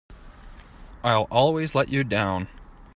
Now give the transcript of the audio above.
I'll always let you down!